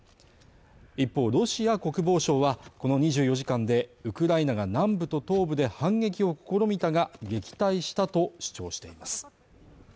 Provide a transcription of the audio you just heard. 一方ロシア国防省は、この２４時間で、ウクライナが南部と東部で反撃を試みたが、撃退したと主張しています。